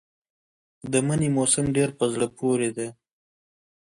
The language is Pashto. د مني موسم ډېر په زړه پورې دی.